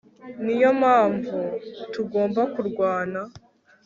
niyo mpamvu tugomba kurwana